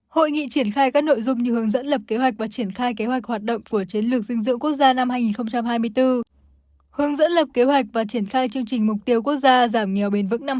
hội nghị triển khai các nội dung như hướng dẫn lập kế hoạch và triển khai kế hoạch hoạt động của chiến lược dinh dưỡng quốc gia năm hai nghìn hai mươi bốn hướng dẫn lập kế hoạch và triển khai chương trình mục tiêu quốc gia giảm nghèo bền vững năm hai nghìn ba mươi